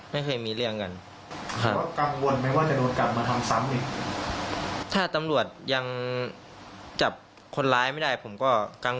ไม่เคยมีเรื่องกันถ้าตำรวจยังจับคนร้ายไม่ได้ผมก็กัง